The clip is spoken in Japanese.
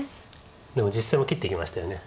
でも実戦も切っていきましたよね。